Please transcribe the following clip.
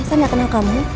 saya tidak kenal kamu